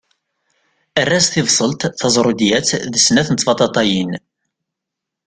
Err-as tibṣelt, tazṛudiyat d snat tbaṭaṭayin.